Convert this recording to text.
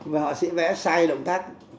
mà họa sĩ vẽ sai động tác